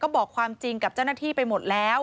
บอกความจริงกับเจ้าหน้าที่ไปหมดแล้ว